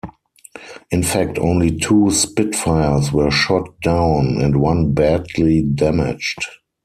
In fact, only two Spitfires were shot down and one badly damaged.